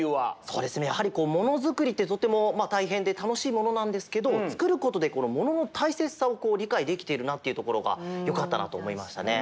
そうですねやはりこうものづくりってとってもたいへんでたのしいものなんですけどつくることでもののたいせつさをりかいできているなっていうところがよかったなとおもいましたね。